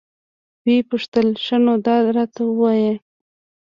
ويې پوښتل ښه نو دا راته ووايه.